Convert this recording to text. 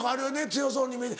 強そうに見えて。